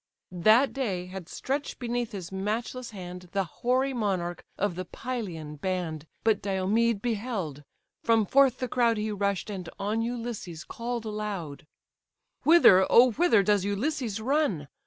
That day had stretch'd beneath his matchless hand The hoary monarch of the Pylian band, But Diomed beheld; from forth the crowd He rush'd, and on Ulysses call'd aloud: "Whither, oh whither does Ulysses run?